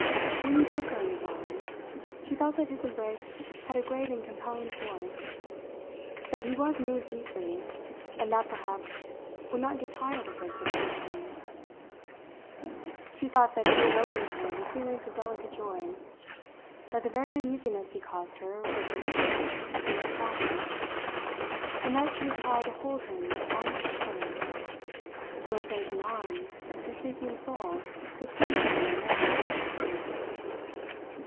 When he took her in his arms, she felt that his embrace had a great and compelling force, that he was moved deeply, and that perhaps he would not get tired of her so very soon. She thought that he had opened to her the feelings of delicate joy, that the very uneasiness he caused her was delicious in its sadness, and that she would try to hold him as long as she could till her fainting arms, her sinking soul, could cling to him no more.